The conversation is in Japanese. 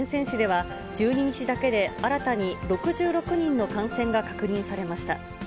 市では、１２日だけで新たに６６人の感染が確認されました。